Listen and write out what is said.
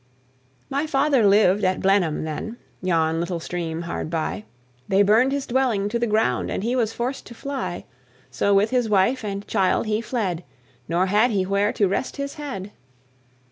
"My father lived at Blenheim then, Yon little stream hard by: They burned his dwelling to the ground And he was forced to fly; So with his wife and child he fled, Nor had he where to rest his head.